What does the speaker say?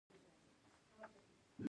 زه په ځان باوري یم.